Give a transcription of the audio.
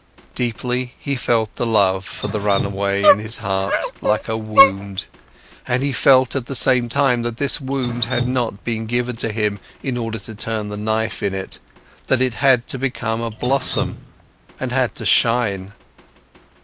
Deeply, he felt the love for the run away in his heart, like a wound, and he felt at the same time that this wound had not been given to him in order to turn the knife in it, that it had to become a blossom and had to shine.